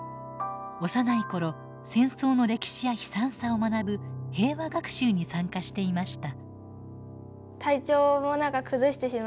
幼い頃戦争の歴史や悲惨さを学ぶ平和学習に参加していました。